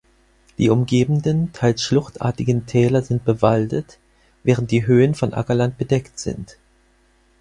Die umgebenden, teils schluchtartigen Täler sind bewaldet, während die Höhen von Ackerland bedeckt sind.